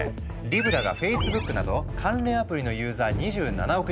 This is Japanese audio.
リブラがフェイスブックなど関連アプリのユーザー２７億